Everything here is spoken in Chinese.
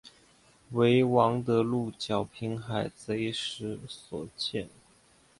为王得禄剿平海贼时所建。